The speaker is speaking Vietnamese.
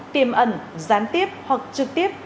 tiềm ẩn gián tiếp hoặc trực tiếp